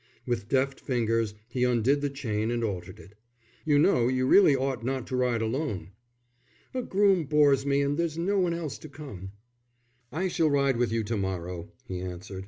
With deft fingers he undid the chain and altered it. "You know, you really ought not to ride alone." "A groom bores me, and there's no one else to come." "I shall ride with you to morrow," he answered.